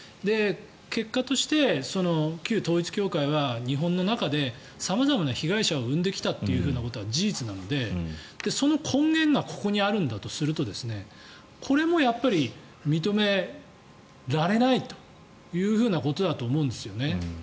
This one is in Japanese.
結果として旧統一教会は日本の中で様々な被害者を生んできたということは事実なのでその根源がここにあるんだとするとこれも認められないということだと思うんです。